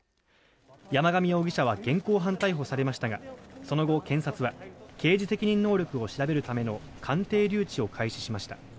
山上容疑者は現行犯逮捕されましたがその後、検察は刑事責任能力を調べるための鑑定留置を開始しました。